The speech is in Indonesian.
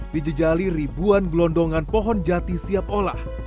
dijejali ribuan gelondongan pohon jati siap olah